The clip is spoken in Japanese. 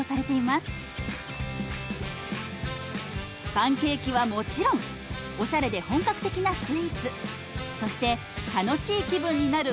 パンケーキはもちろんおしゃれで本格的なスイーツそして楽しい気分になる